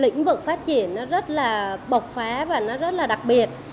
lĩnh vực phát triển nó rất là bộc phá và nó rất là đặc biệt